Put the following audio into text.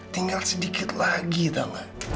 tinggal sedikit lagi tau gak